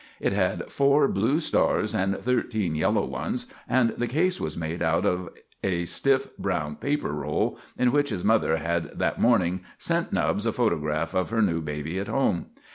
It had four blue stars and thirteen yellow ones, and the case was made out of a stiff brown paper roll in which his mother had that morning sent Nubbs a photograph of her new baby at home.